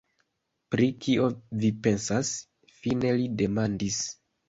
Pri kio vi pensas? fine li demandis.